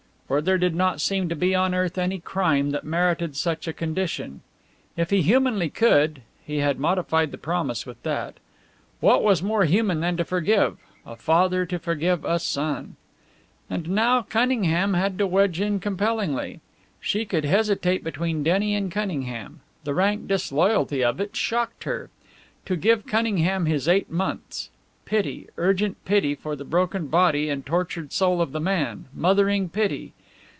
For there did not seem to be on earth any crime that merited such a condition. If he humanly could he had modified the promise with that. What was more human than to forgive a father to forgive a son? And now Cunningham had to wedge in compellingly! She could hesitate between Denny and Cunningham! The rank disloyalty of it shocked her. To give Cunningham his eight months! Pity, urgent pity for the broken body and tortured soul of the man mothering pity!